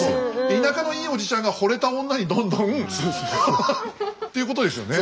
田舎のいいおじちゃんがほれた女にどんどんということですよね。